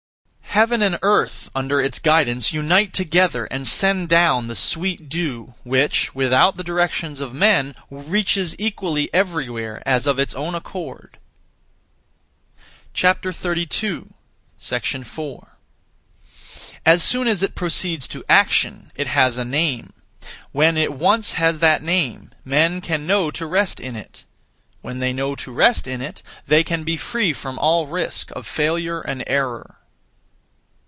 Heaven and Earth (under its guidance) unite together and send down the sweet dew, which, without the directions of men, reaches equally everywhere as of its own accord. 4. As soon as it proceeds to action, it has a name. When it once has that name, (men) can know to rest in it. When they know to rest in it, they can be free from all risk of failure and error.